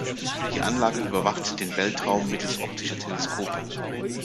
Die Anlage überwacht den Weltraum mittels optischer Teleskope.